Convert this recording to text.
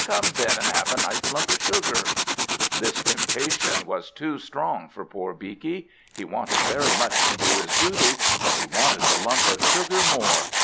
Come, then, and have a nice lump of sugar." This temptation was too strong for poor Beaky. He wanted very much to do his duty, but he wanted the lump of sugar more.